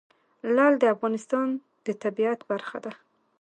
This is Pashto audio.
لعل د افغانستان د طبیعت برخه ده.